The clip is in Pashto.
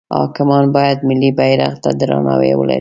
حاکمان باید ملی بیرغ ته درناوی ولری.